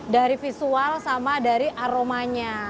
dari visual sama dari aromanya